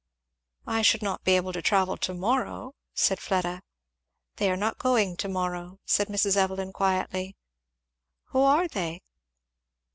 "I should not be able to travel to morrow," said Fleda. "They are not going to morrow," said Mrs. Evelyn quietly. "Who are they?"